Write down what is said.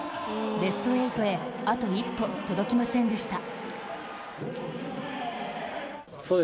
ベスト８へ、あと一歩届きませんでした。